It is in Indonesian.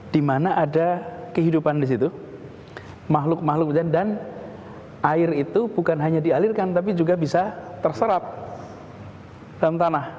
di mana ada kehidupan di situ makhluk makhluk dan air itu bukan hanya dialirkan tapi juga bisa terserap dalam tanah